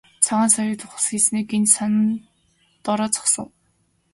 Цагаан соёот ухасхийснээ гэнэт санан доороо зогсов.